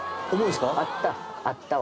あったわ。